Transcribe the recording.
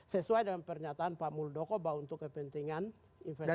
sesuai dengan pernyataan pak muldoko bahwa untuk kepentingan investasi